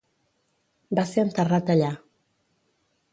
Va ser enterrat allà.